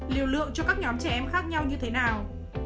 liều lượng cho các nhóm trẻ em khác nhau như thế nào